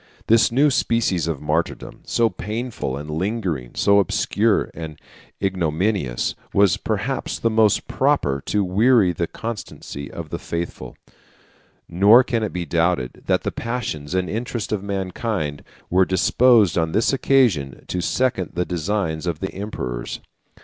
This new species of martyrdom, so painful and lingering, so obscure and ignominious, was, perhaps, the most proper to weary the constancy of the faithful: nor can it be doubted that the passions and interest of mankind were disposed on this occasion to second the designs of the emperors.